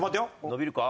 伸びるか？